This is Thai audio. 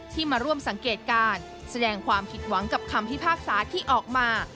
มาร่วมสังเกตการแสดงความผิดหวังกับคำพิพากษาที่ออกมา